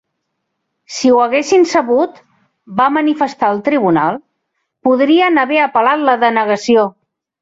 Si ho haguessin sabut, va manifestar el Tribunal, podrien haver apel·lat la denegació.